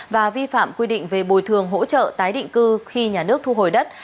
và vi phạm quy định về bồi thường hỗ trợ tái định cư khi nhà nước thu hồi đất